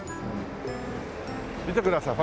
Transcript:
見てくださいほら。